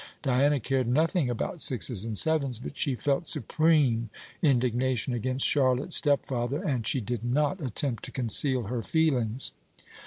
Diana cared nothing about sixes and sevens; but she felt supreme indignation against Charlotte's stepfather, and she did not attempt to conceal her feelings.